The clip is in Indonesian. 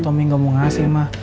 tommy gak mau ngasih mah